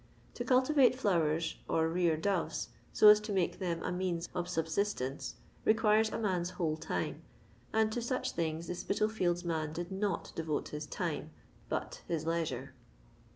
To cultivate flowers, or rear doves, so as to make them a means of sub sistence, requires a man's whole time, and to such things the Spitalfields man did not devote his time, but his leisure.